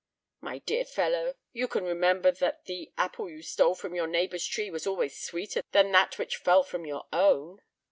"My dear fellow, you can remember that the apple you stole from your neighbour's tree was always sweeter than that which fell from your own.